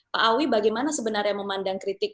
pak awi bagaimana sebenarnya memandang kritik